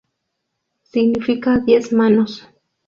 Significa "diez manos".